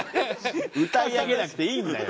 歌い上げなくていいんだよ